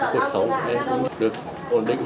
cuộc sống của em cũng được ổn định